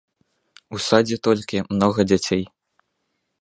У садзе толькі многа дзяцей.